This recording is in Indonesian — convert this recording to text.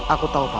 aku tahu paman